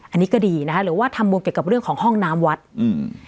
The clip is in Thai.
อันนี้ก็ดีนะคะหรือว่าทำบุญเกี่ยวกับเรื่องของห้องน้ำวัดอืม